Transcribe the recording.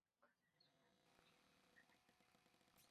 Casa de subasta: Christie’s, Nueva York.